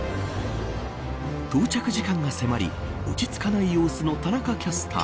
到着時間が迫り落ち着かない様子の田中キャスター。